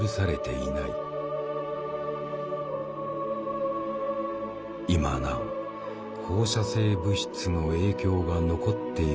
今なお放射性物質の影響が残っているのだという。